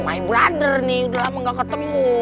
my brother nih udah lama gak ketemu